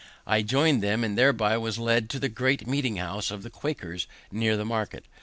I joined them, and thereby was led into the great meeting house of the Quakers near the market.